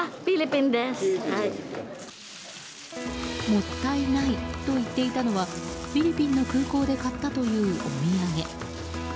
もったいないと言っていたのはフィリピンの空港で買ったというお土産。